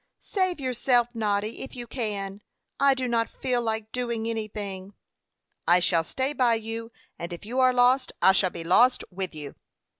"Save yourself, Noddy, if you can. I do not feel like doing anything." "I shall stay by you, and if you are lost I shall be lost with you."